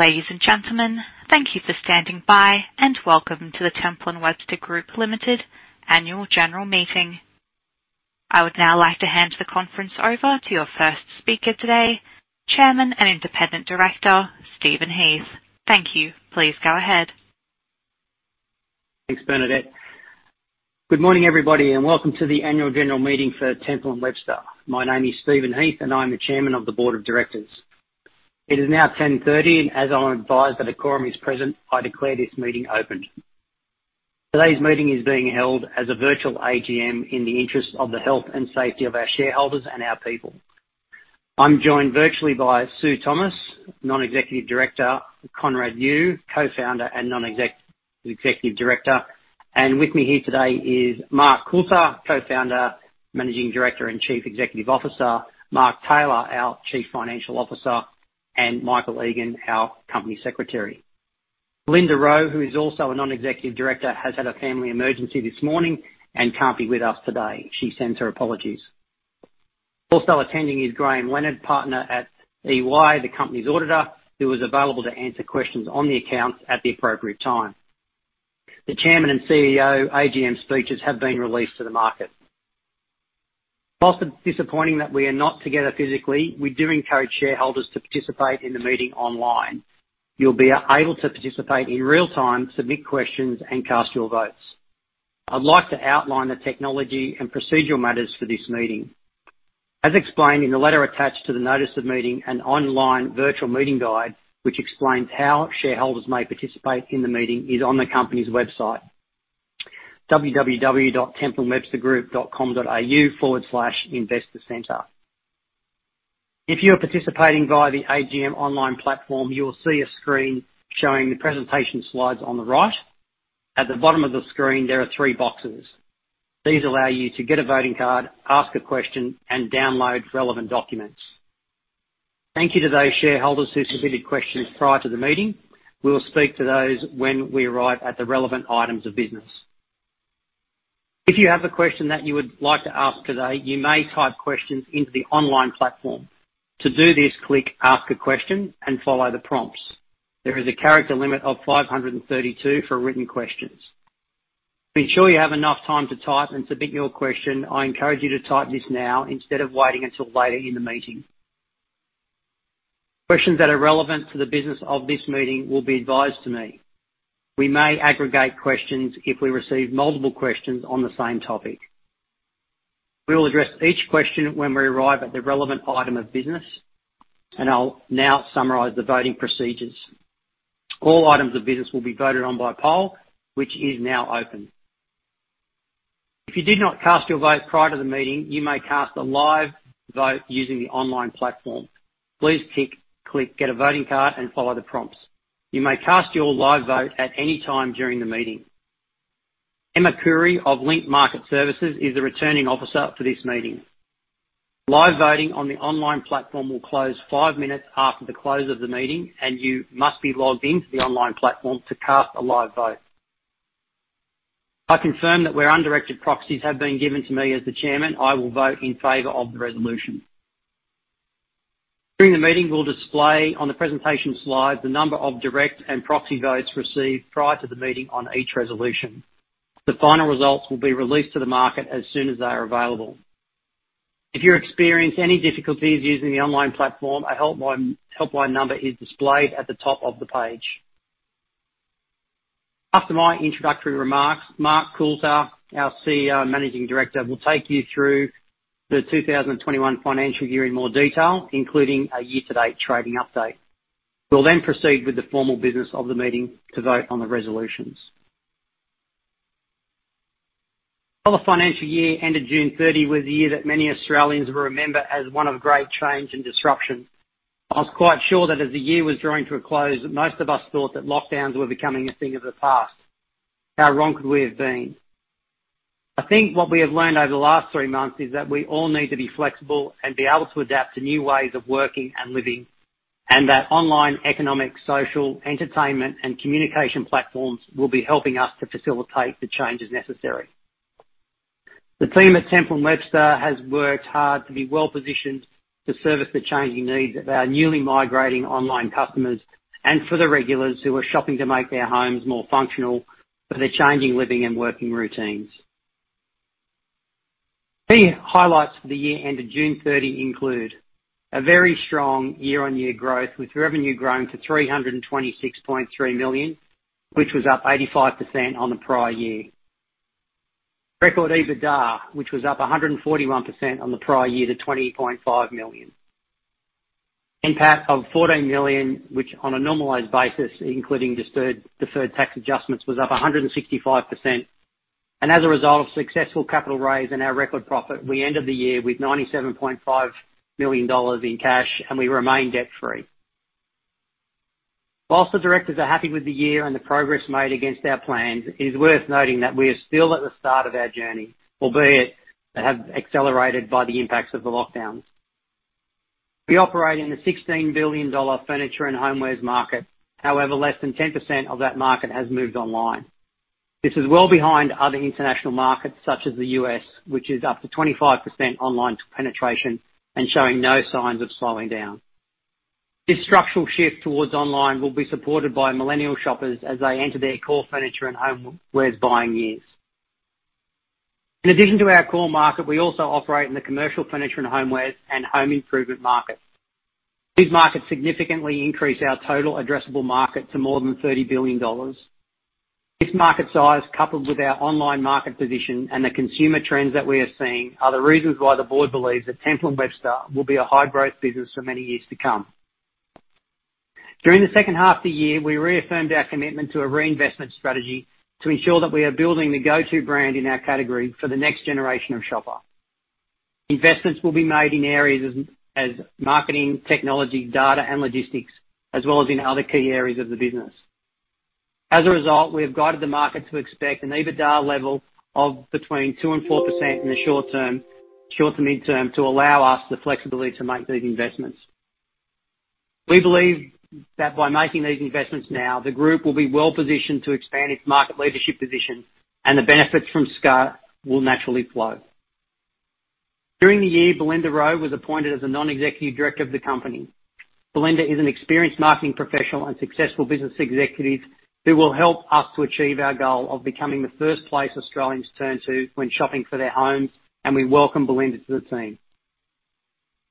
Ladies and gentlemen, thank you for standing by, and welcome to the Temple & Webster Group Limited Annual General Meeting. I would now like to hand the conference over to your first speaker today, Chairman and Independent Director, Stephen Heath. Thank you. Please go ahead. Thanks, Bernadette. Good morning, everybody, and welcome to the annual general meeting for Temple & Webster. My name is Stephen Heath, and I'm the Chairman of the Board of Directors. It is now 10:30 A.M. As I'm advised that a quorum is present, I declare this meeting opened. Today's meeting is being held as a virtual AGM in the interest of the health and safety of our shareholders and our people. I'm joined virtually by Susan Thomas, Non-Executive Director, Conrad Yiu, Co-founder and Non-Executive Director. With me here today is Mark Coulter, Co-founder, Managing Director, and Chief Executive Officer, Mark Taylor, our Chief Financial Officer, and Michael Egan, our Company Secretary. Belinda Rowe, who is also a Non-Executive Director, has had a family emergency this morning and can't be with us today. She sends her apologies. Also attending is Graeme Leonard, partner at EY, the company's auditor, who is available to answer questions on the accounts at the appropriate time. The Chairman and CEO AGM speeches have been released to the market. Whilst it's disappointing that we are not together physically, we do encourage shareholders to participate in the meeting online. You'll be able to participate in real time, submit questions, and cast your votes. I'd like to outline the technology and procedural matters for this meeting. As explained in the letter attached to the notice of meeting, an online virtual meeting guide, which explains how shareholders may participate in the meeting, is on the company's website, www.templeandwebstergroup.com.au/investorcenter. If you are participating via the AGM online platform, you will see a screen showing the presentation slides on the right. At the bottom of the screen, there are three boxes. These allow you to get a voting card, ask a question, and download relevant documents. Thank you to those shareholders who submitted questions prior to the meeting. We will speak to those when we arrive at the relevant items of business. If you have a question that you would like to ask today, you may type questions into the online platform. To do this, click Ask a question and follow the prompts. There is a character limit of 532 for written questions. To ensure you have enough time to type and submit your question, I encourage you to type this now instead of waiting until later in the meeting. Questions that are relevant to the business of this meeting will be advised to me. We may aggregate questions if we receive multiple questions on the same topic. We will address each question when we arrive at the relevant item of business. I'll now summarize the voting procedures. All items of business will be voted on by poll, which is now open. If you did not cast your vote prior to the meeting, you may cast a live vote using the online platform. Please click Get a voting card and follow the prompts. You may cast your live vote at any time during the meeting. Emma Curry of Link Market Services is the Returning Officer for this meeting. Live voting on the online platform will close five minutes after the close of the meeting, and you must be logged into the online platform to cast a live vote. I confirm that where undirected proxies have been given to me as the Chairman, I will vote in favor of the resolution. During the meeting, we'll display on the presentation slide the number of direct and proxy votes received prior to the meeting on each resolution. The final results will be released to the market as soon as they are available. If you experience any difficulties using the online platform, a helpline number is displayed at the top of the page. After my introductory remarks, Mark Coulter, our CEO and Managing Director, will take you through the 2021 financial year in more detail, including a year-to-date trading update. We'll then proceed with the formal business of the meeting to vote on the resolutions. While the financial year ended June 30 was a year that many Australians will remember as one of great change and disruption, I was quite sure that as the year was drawing to a close, that most of us thought that lockdowns were becoming a thing of the past. How wrong could we have been? I think what we have learned over the last three months is that we all need to be flexible and be able to adapt to new ways of working and living, and that online, economic, social, entertainment, and communication platforms will be helping us to facilitate the changes necessary. The team at Temple & Webster has worked hard to be well-positioned to service the changing needs of our newly migrating online customers and for the regulars who are shopping to make their homes more functional for their changing living and working routines. Key highlights for the year ended June 30 include a very strong year-on-year growth, with revenue growing to 326.3 million, which was up 85% on the prior year. Record EBITDA, which was up 141% on the prior year to 20.5 million. NPAT of 14 million, which on a normalized basis, including deferred tax adjustments, was up 165%. As a result of successful capital raise and our record profit, we ended the year with AUD 97.5 million in cash, and we remain debt-free. Whilst the Directors are happy with the year and the progress made against our plans, it is worth noting that we are still at the start of our journey, albeit have accelerated by the impacts of the lockdowns. We operate in the 16 billion dollar furniture and homewares market. However, less than 10% of that market has moved online. This is well behind other international markets such as the U.S., which is up to 25% online penetration and showing no signs of slowing down. This structural shift towards online will be supported by millennial shoppers as they enter their core furniture and homewares buying years. In addition to our core market, we also operate in the commercial furniture and homewares and home improvement markets. These markets significantly increase our total addressable market to more than 30 billion dollars. This market size, coupled with our online market position and the consumer trends that we are seeing, are the reasons why the board believes that Temple & Webster will be a high-growth business for many years to come. During the second half of the year, we reaffirmed our commitment to a reinvestment strategy to ensure that we are building the go-to brand in our category for the next generation of shopper. Investments will be made in areas as marketing, technology, data, and logistics, as well as in other key areas of the business. As a result, we have guided the market to expect an EBITDA level of between 2% and 4% in the short to midterm to allow us the flexibility to make these investments. We believe that by making these investments now, the group will be well-positioned to expand its market leadership position and the benefits from scale will naturally flow. During the year, Belinda Rowe was appointed as a Non-Executive Director of the company. Belinda is an experienced marketing professional and successful business executive who will help us to achieve our goal of becoming the first place Australians turn to when shopping for their homes, and we welcome Belinda to the team.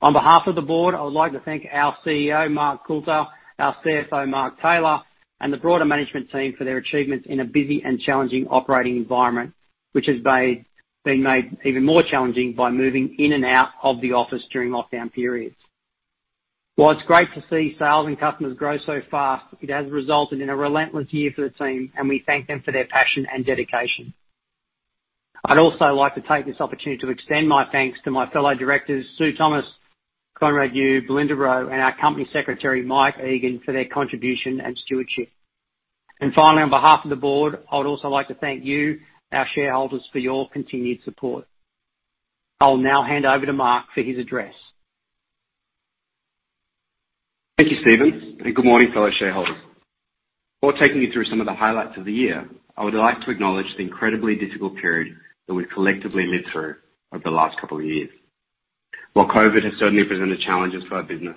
On behalf of the Board, I would like to thank our CEO, Mark Coulter, our CFO, Mark Taylor, and the broader management team for their achievements in a busy and challenging operating environment, which has been made even more challenging by moving in and out of the office during lockdown periods. While it's great to see sales and customers grow so fast, it has resulted in a relentless year for the team, and we thank them for their passion and dedication. I'd also like to take this opportunity to extend my thanks to my fellow Directors, Susan Thomas, Conrad Yiu, Belinda Rowe, and our Company Secretary, Michael Egan, for their contribution and stewardship. Finally, on behalf of the board, I would also like to thank you, our shareholders, for your continued support. I'll now hand over to Mark for his address. Thank you, Stephen. Good morning, fellow shareholders. Before taking you through some of the highlights of the year, I would like to acknowledge the incredibly difficult period that we've collectively lived through over the last couple of years. While COVID has certainly presented challenges for our business,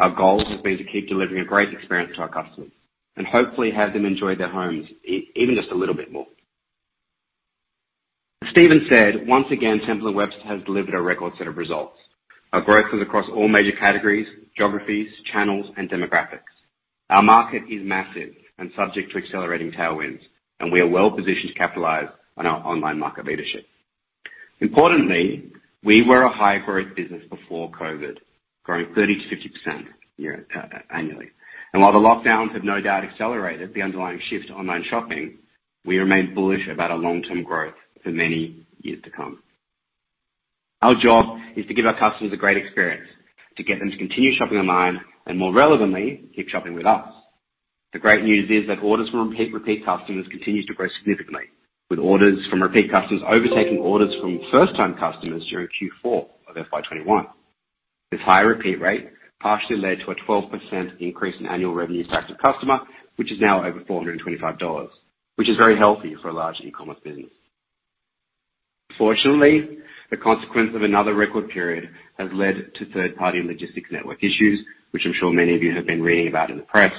our goal has been to keep delivering a great experience to our customers and hopefully have them enjoy their homes even just a little bit more. As Stephen said, once again, Temple & Webster has delivered a record set of results. Our growth is across all major categories, geographies, channels, and demographics. Our market is massive and subject to accelerating tailwinds, and we are well-positioned to capitalize on our online market leadership. Importantly, we were a high-growth business before COVID, growing 30%-50% annually. While the lockdowns have no doubt accelerated the underlying shift to online shopping, we remain bullish about our long-term growth for many years to come. Our job is to give our customers a great experience, to get them to continue shopping online, and more relevantly, keep shopping with us. The great news is that orders from repeat customers continues to grow significantly, with orders from repeat customers overtaking orders from first-time customers during Q4 of FY 2021. This higher repeat rate partially led to a 12% increase in annual revenue per active customer, which is now over 425 dollars, which is very healthy for a large e-commerce business. Unfortunately, the consequence of another record period has led to third-party logistics network issues, which I'm sure many of you have been reading about in the press.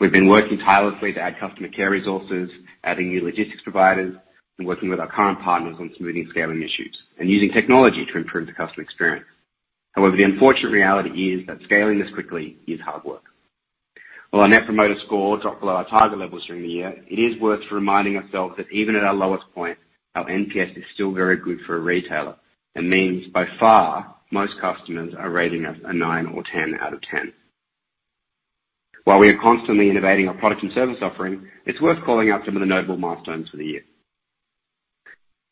We've been working tirelessly to add customer care resources, adding new logistics providers, and working with our current partners on smoothing scaling issues and using technology to improve the customer experience. The unfortunate reality is that scaling this quickly is hard work. While our net promoter score dropped below our target levels during the year, it is worth reminding ourselves that even at our lowest point, our NPS is still very good for a retailer and means by far, most customers are rating us a 9 or 10 out of 10. While we are constantly innovating our product and service offering, it's worth calling out some of the notable milestones for the year.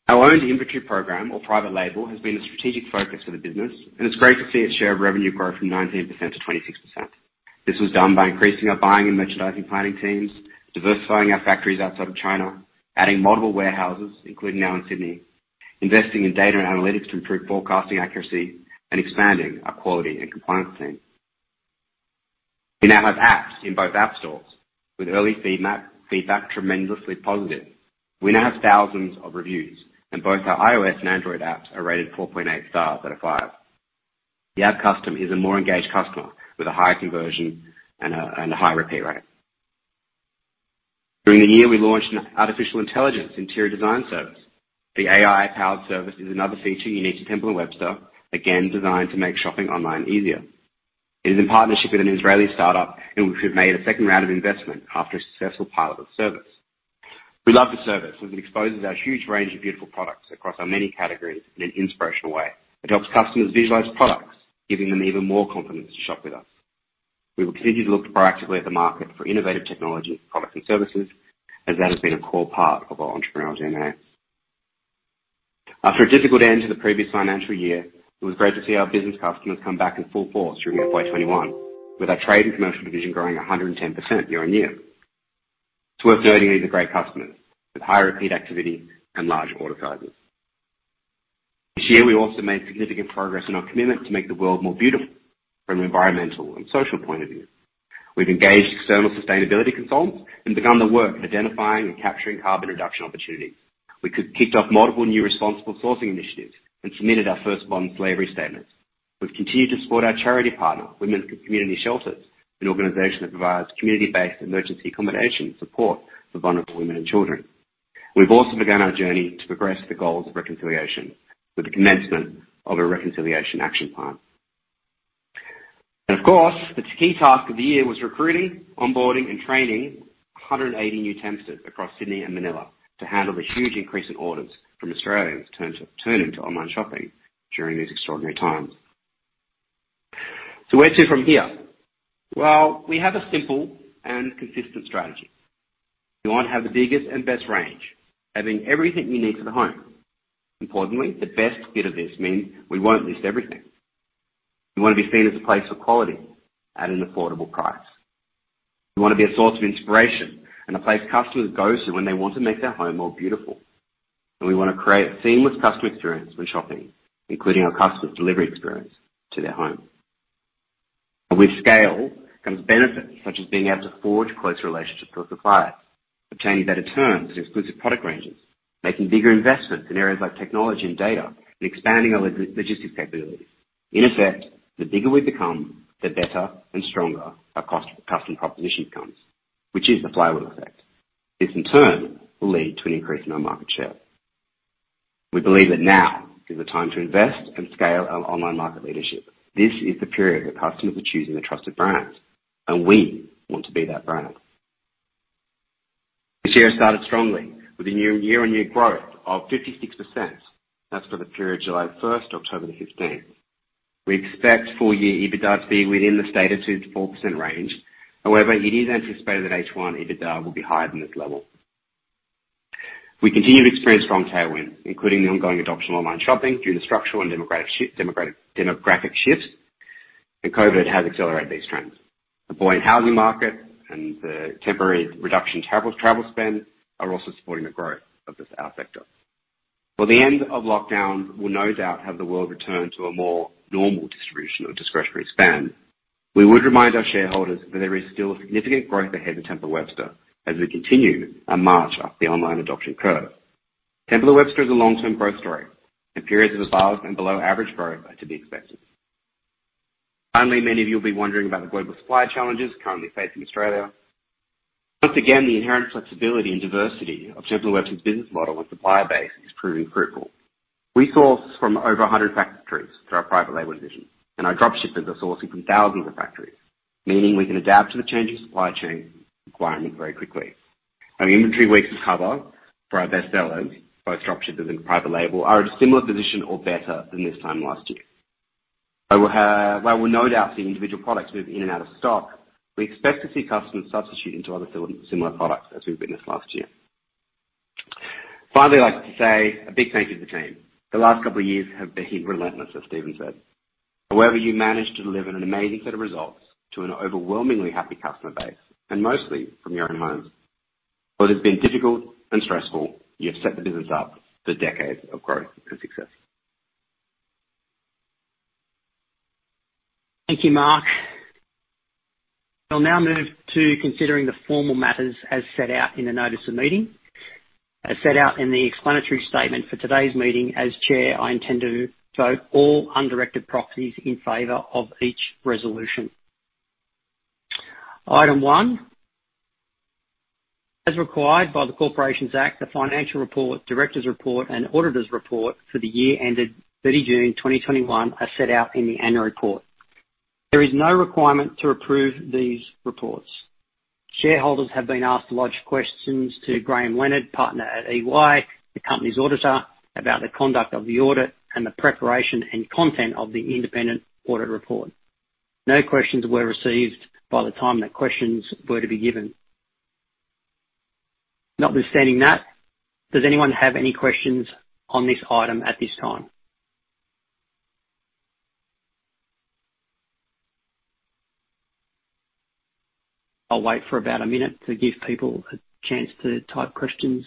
Our own inventory program or private label has been a strategic focus for the business, and it's great to see its share of revenue grow from 19%-26%. This was done by increasing our buying and merchandising planning teams, diversifying our factories outside of China, adding multiple warehouses, including now in Sydney, investing in data and analytics to improve forecasting accuracy, and expanding our quality and compliance team. We now have apps in both app stores with early feedback tremendously positive. We now have thousands of reviews and both our iOS and Android apps are rated 4.8 stars out of 5. The app customer is a more engaged customer with a high conversion and a high repeat rate. During the year, we launched an artificial intelligence interior design service. The AI-powered service is another feature unique to Temple & Webster, again, designed to make shopping online easier. It is in partnership with an Israeli startup in which we've made a second round of investment after a successful pilot of service. We love the service as it exposes our huge range of beautiful products across our many categories in an inspirational way. It helps customers visualize products, giving them even more confidence to shop with us. We will continue to look proactively at the market for innovative technology, products and services, as that has been a core part of our entrepreneurial DNA. After a difficult end to the previous financial year, it was great to see our business customers come back in full force during FY 2021, with our Trade & Commercial division growing 110% year-on-year. It's worth noting these are great customers with high repeat activity and large order sizes. This year, we also made significant progress in our commitment to make the world more beautiful from an environmental and social point of view. We've engaged external sustainability consultants and begun the work of identifying and capturing carbon reduction opportunities. We kicked off multiple new responsible sourcing initiatives and submitted our first modern slavery statement. We've continued to support our charity partner, Women's Community Shelters, an organization that provides community-based emergency accommodation and support for vulnerable women and children. We've also begun our journey to progress the goals of reconciliation with the commencement of a reconciliation action plan. Of course, the key task of the year was recruiting, onboarding, and training 180 new Templesters across Sydney and Manila to handle the huge increase in orders from Australians turning to online shopping during these extraordinary times. Where to from here? Well, we have a simple and consistent strategy. We want to have the biggest and best range, having everything you need for the home. The best bit of this means we won't list everything. We want to be seen as a place of quality at an affordable price. We want to be a source of inspiration and a place customers go to when they want to make their home more beautiful. We want to create a seamless customer experience when shopping, including our customers' delivery experience to their home. With scale comes benefits such as being able to forge closer relationships with suppliers, obtaining better terms and exclusive product ranges, making bigger investments in areas like technology and data, and expanding our logistics capabilities. In effect, the bigger we become, the better and stronger our customer proposition becomes, which is the flywheel effect. This in turn will lead to an increase in our market share. We believe that now is the time to invest and scale our online market leadership. This is the period where customers are choosing the trusted brands, and we want to be that brand. This year started strongly with a year-on-year growth of 56%. That's for the period July 1st to October the 15th. We expect full year EBITDA to be within the stated 2%-4% range. However, it is anticipated that H1 EBITDA will be higher than this level. We continue to experience strong tailwind, including the ongoing adoption of online shopping due to structural and demographic shifts, and COVID has accelerated these trends. The buoyant housing market and the temporary reduction in travel spend are also supporting the growth of our sector. While the end of lockdown will no doubt have the world return to a more normal distribution of discretionary spend, we would remind our shareholders that there is still significant growth ahead in Temple & Webster as we continue our march up the online adoption curve. Temple & Webster is a long-term growth story, and periods of above and below average growth are to be expected. Finally, many of you will be wondering about the global supply challenges currently facing Australia. Once again, the inherent flexibility and diversity of Temple & Webster's business model and supplier base is proving critical. We source from over 100 factories through our private label division, and our drop shippers are sourcing from thousands of factories, meaning we can adapt to the changing supply chain requirements very quickly. Our inventory weeks of cover for our best sellers, both drop shippers and private label, are at a similar position or better than this time last year. While we'll no doubt see individual products move in and out of stock, we expect to see customers substitute into other similar products as we've witnessed last year. Finally, I'd like to say a big thank you to the team. The last couple of years have been relentless, as Stephen said. However, you managed to deliver an amazing set of results to an overwhelmingly happy customer base, and mostly from your own homes. While it has been difficult and stressful, you have set the business up for decades of growth and success. Thank you, Mark. We'll now move to considering the formal matters as set out in the notice of meeting. As set out in the explanatory statement for today's meeting, as Chair, I intend to vote all undirected proxies in favor of each resolution. Item one. As required by the Corporations Act, the financial report, Directors report, and Auditors report for the year ended 30 June 2021 are set out in the annual report. There is no requirement to approve these reports. Shareholders have been asked to lodge questions to Graeme Leonard, partner at EY, the company's auditor, about the conduct of the audit and the preparation and content of the independent audit report. No questions were received by the time that questions were to be given. Notwithstanding that, does anyone have any questions on this item at this time? I'll wait for about one minute to give people a chance to type questions.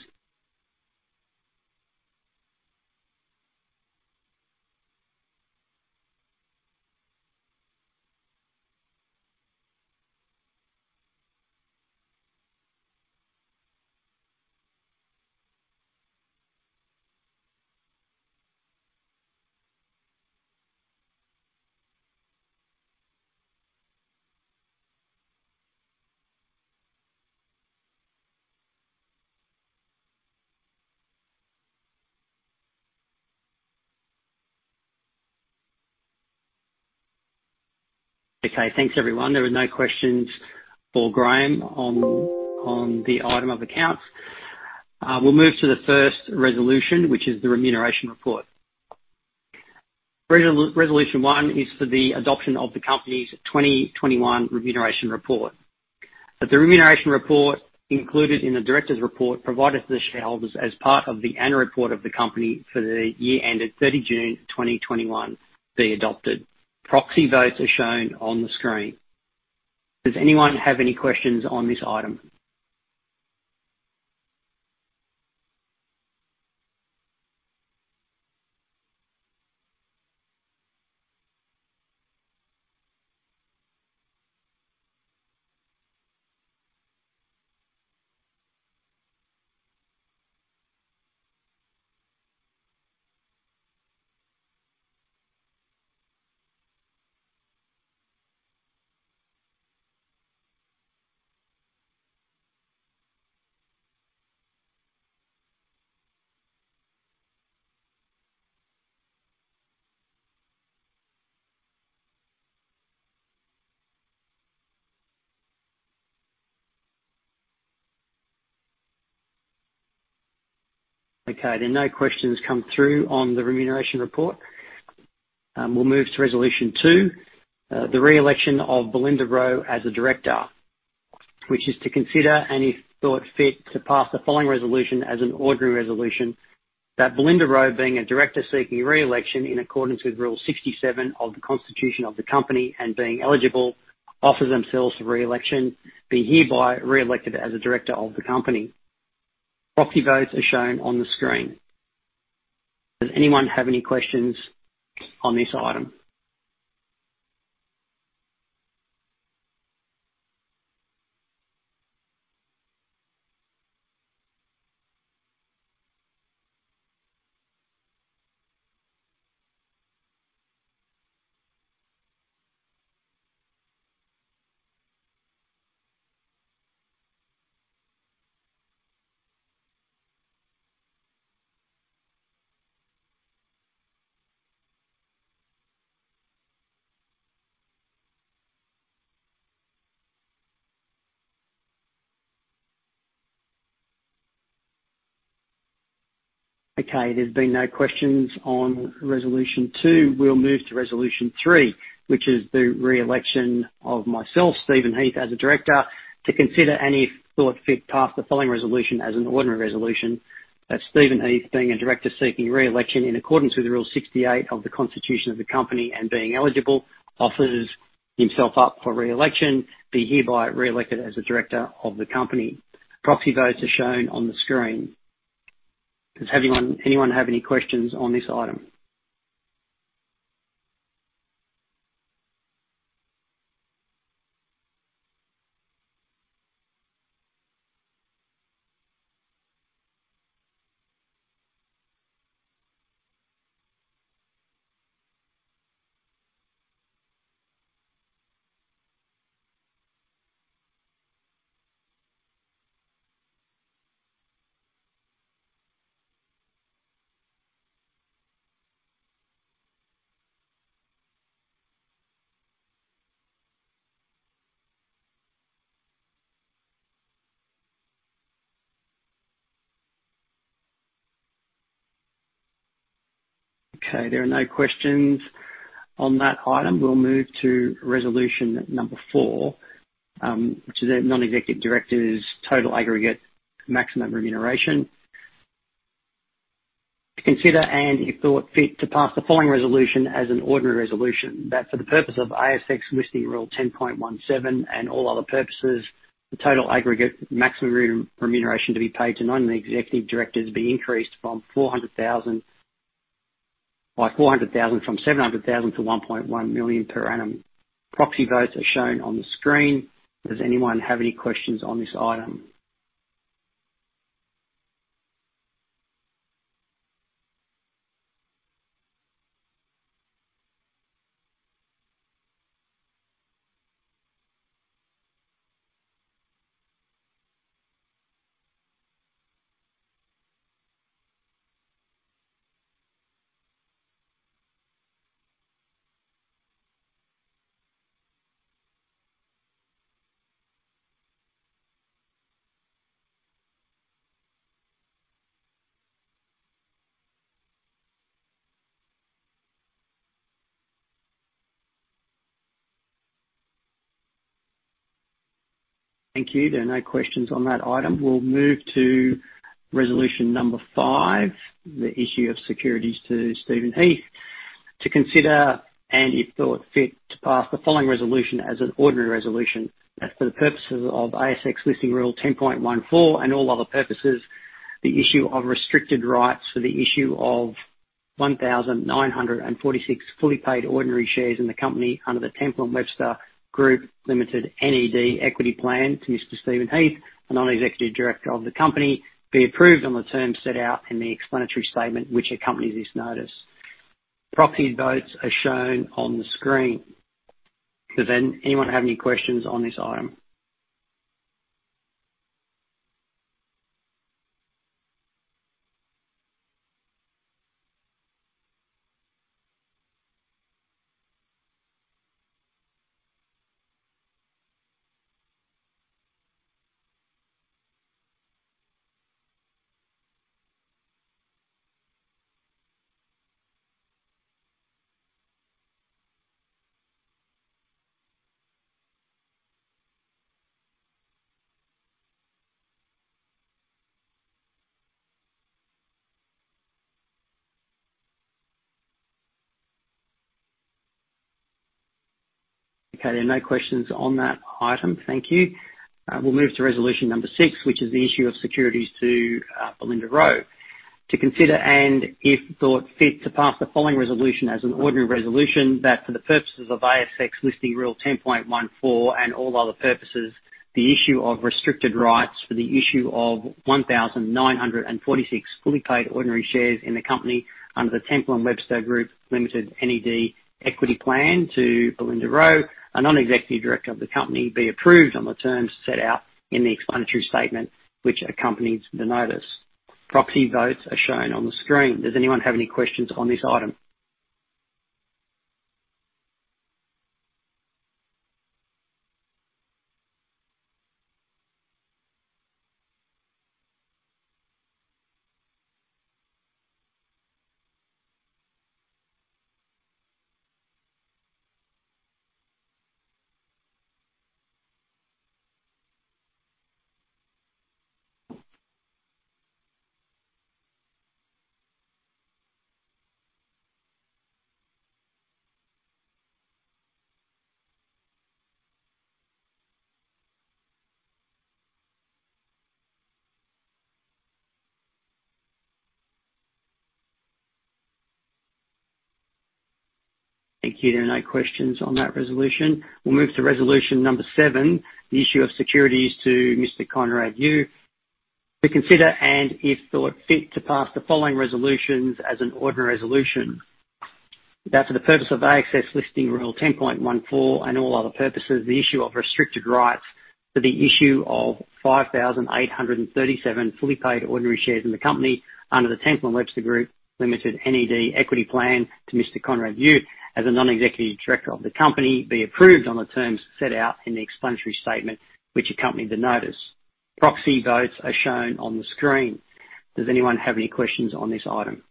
Okay, thanks everyone. There are no questions for Graeme on the item of accounts. We'll move to the first resolution, which is the remuneration report. Resolution one is for the adoption of the company's 2021 remuneration report. That the remuneration report included in the Directors' report provided to the shareholders as part of the annual report of the company for the year ended 30 June 2021 be adopted. Proxy votes are shown on the screen. Does anyone have any questions on this item? Okay, there are no questions come through on the remuneration report. We'll move to resolution two, the re-election of Belinda Rowe as a Director, which is to consider and if thought fit, to pass the following resolution as an ordinary resolution that Belinda Rowe, being a Director seeking re-election in accordance with Rule 67 of the Constitution of the Company and being eligible, offers themselves for re-election, be hereby re-elected as a Director of the Company. Proxy votes are shown on the screen. Does anyone have any questions on this item? Okay, there's been no questions on resolution two. We'll move to resolution three, which is the re-election of myself, Stephen Heath, as a Director to consider and if thought fit, pass the following resolution as an ordinary resolution that Stephen Heath, being a Director seeking re-election in accordance with Rule 68 of the Constitution of the Company and being eligible, offers himself up for re-election, be hereby re-elected as a Director of the company. Proxy votes are shown on the screen. Does anyone have any questions on this item? Okay, there are no questions on that item. We'll move to resolution number four, which is our Non-Executive Directors' total aggregate maximum remuneration. To consider and if thought fit, to pass the following resolution as an ordinary resolution that for the purpose of ASX Listing Rule 10.17 and all other purposes, the total aggregate maximum remuneration to be paid to Non-Executive Directors be increased by 400,000 from 700,000 to 1.1 million per annum. Proxy votes are shown on the screen. Does anyone have any questions on this item? Thank you. There are no questions on that item. We'll move to resolution number five, the issue of securities to Stephen Heath. To consider and if thought fit, to pass the following resolution as an ordinary resolution that for the purposes of ASX Listing Rule 10.14 and all other purposes, the issue of restricted rights for the issue of 1,946 fully paid ordinary shares in the company under the Temple & Webster Group Limited NED equity plan to Mr. Stephen Heath, a Non-Executive Director of the company, be approved on the terms set out in the explanatory statement which accompanies this notice. Proxy votes are shown on the screen. Does anyone have any questions on this item? Okay, there are no questions on that item. Thank you. We'll move to resolution number six, which is the issue of securities to Belinda Rowe. To consider and, if thought fit, to pass the following resolution as an ordinary resolution that for the purposes of ASX Listing Rule 10.14 and all other purposes, the issue of restricted rights for the issue of 1,946 fully paid ordinary shares in the company under the Temple & Webster Group Limited NED Equity Plan to Belinda Rowe, a Non-Executive Director of the company, be approved on the terms set out in the explanatory statement which accompanies the notice. Proxy votes are shown on the screen. Does anyone have any questions on this item? Thank you. There are no questions on that resolution. We'll move to resolution number seven, the issue of securities to Mr. Conrad Yiu. To consider and, if thought fit, to pass the following resolutions as an ordinary resolution. That for the purpose of ASX Listing Rule 10.14 and all other purposes, the issue of restricted rights for the issue of 5,837 fully paid ordinary shares in the company under the Temple & Webster Group Ltd NED Equity Plan to Mr. Conrad Yiu as a Non-Executive Director of the company, be approved on the terms set out in the explanatory statement which accompanied the notice. Proxy votes are shown on the screen. Does anyone have any questions on this item?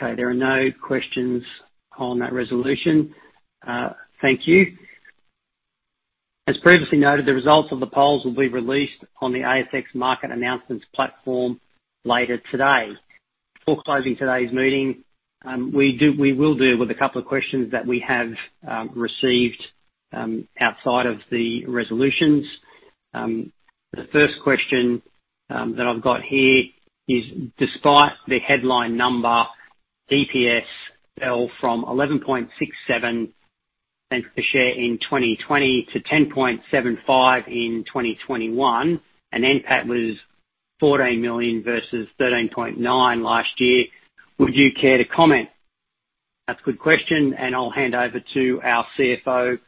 There are no questions on that resolution. Thank you. As previously noted, the results of the polls will be released on the ASX Market Announcements Platform later today. Before closing today's meeting, we will deal with a couple of questions that we have received outside of the resolutions. The first question that I've got here is. Despite the headline number, EPS fell from 0.1167 per share in 2020 to 0.1075 in 2021, and NPAT was 14 million versus 13.9 last year. Would you care to comment? That's a good question, and I'll hand over to our CFO,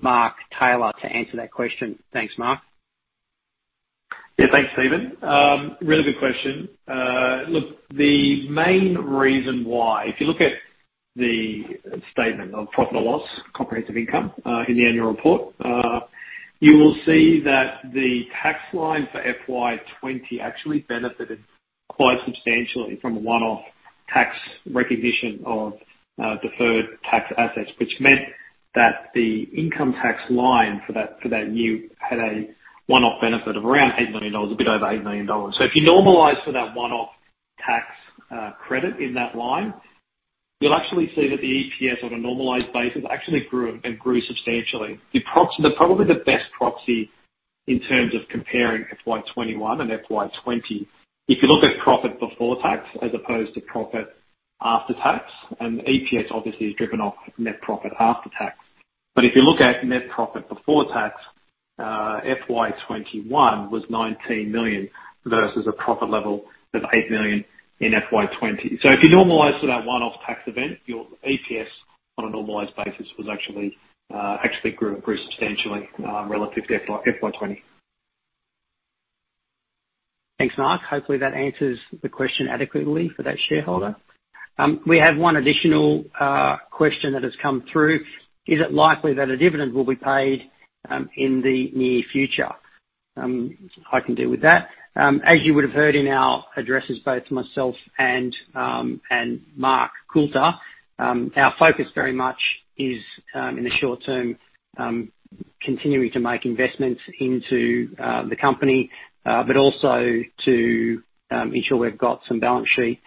Mark Taylor, to answer that question. Thanks, Mark. Thanks, Stephen. Really good question. Look, the main reason why, if you look at the statement of profit or loss, comprehensive income, in the annual report you will see that the tax line for FY 2020 actually benefited quite substantially from a one-off tax recognition of deferred tax assets, which meant that the income tax line for that year had a one-off benefit of around 8 million dollars, a bit over 8 million dollars. If you normalize for that one-off tax credit in that line, you'll actually see that the EPS on a normalized basis actually grew and grew substantially. Probably the best proxy in terms of comparing FY 2021 and FY 2020, if you look at profit before tax as opposed to profit after tax, and EPS obviously is driven off net profit after tax, but if you look at net profit before tax, FY 2021 was 19 million versus a profit level of 8 million in FY 2020. If you normalize for that one-off tax event, your EPS on a normalized basis actually grew substantially relative to FY 2020. Thanks, Mark. Hopefully that answers the question adequately for that shareholder. We have one additional question that has come through. Is it likely that a dividend will be paid in the near future? I can deal with that. As you would have heard in our addresses, both myself and Mark Coulter, our focus very much is, in the short term, continuing to make investments into the company, but also to ensure we've got some balance sheet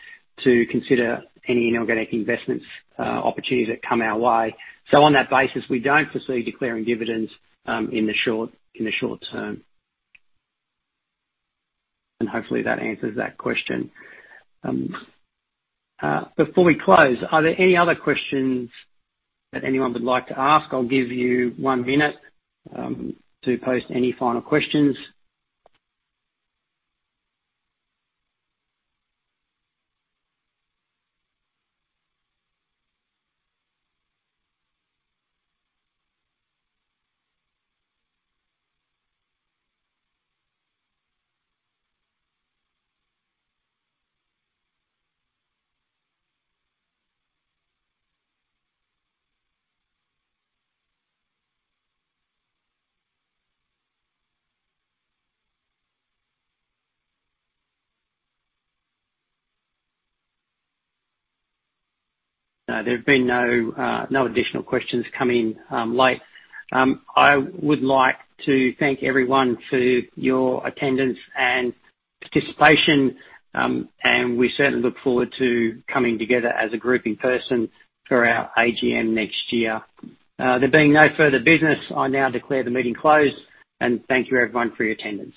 to consider any inorganic investments opportunities that come our way. On that basis, we don't foresee declaring dividends in the short term. Hopefully that answers that question. Before we close, are there any other questions that anyone would like to ask? I'll give you one minute to post any final questions. No, there have been no additional questions come in late. I would like to thank everyone for your attendance and participation, and we certainly look forward to coming together as a group in person for our AGM next year. There being no further business, I now declare the meeting closed, and thank you everyone for your attendance.